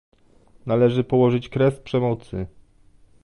Należy położyć kres przemocy